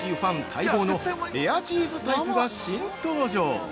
待望のレアチーズタイプが新登場。